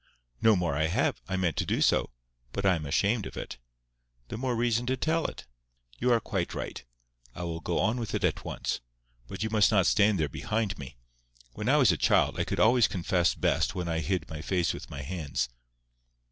"No more I have. I meant to do so. But I am ashamed of it." "The more reason to tell it." "You are quite right. I will go on with it at once. But you must not stand there behind me. When I was a child, I could always confess best when I hid my face with my hands."